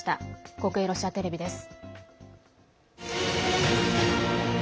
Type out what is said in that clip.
国営ロシアテレビです。